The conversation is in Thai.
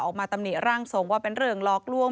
ตำหนิร่างทรงว่าเป็นเรื่องหลอกลวง